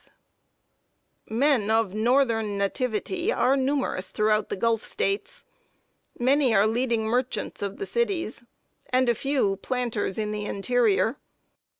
] March 15. Men of northern nativity are numerous throughout the Gulf States. Many are leading merchants of the cities, and a few, planters in the interior.